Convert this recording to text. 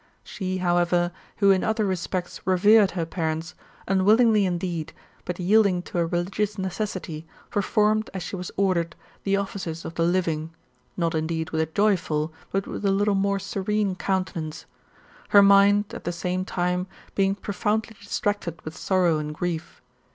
She, however, who in other respects revered her parents, unwillingly indeed, but yielding to a religious necessity, performed, as she was ordered, the offices of the living, not indeed with a joyful, but with a little more serene countenance ; her mind, at the same time, being profoundly distrncted with sorrow and grief.